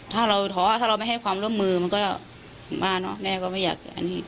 ถ้าเราท้อถ้าเราไม่ให้ความร่วมมือมันก็มากเนอะแม่ก็ไม่อยากอันนี้